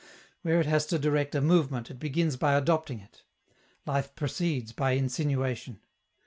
Where it has to direct a movement, it begins by adopting it. Life proceeds by insinuation.